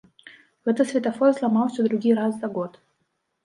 Гэты святлафор зламаўся другі раз за год.